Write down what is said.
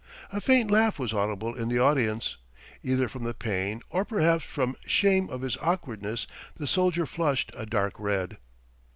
A faint laugh was audible in the audience. Either from the pain or perhaps from shame at his awkwardness the soldier flushed a dark red.